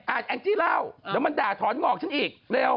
แองจี้เล่าเดี๋ยวมันด่าถอนงอกฉันอีกเร็ว